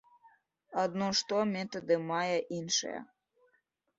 Адно што метады мае іншыя.